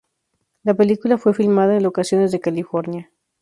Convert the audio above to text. La película fue filmada en locaciones de California.